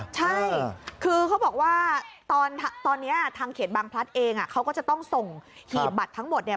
ใช่คือเขาบอกว่าตอนนี้ทางเขตบางพลัดเองเขาก็จะต้องส่งหีบบัตรทั้งหมดเนี่ย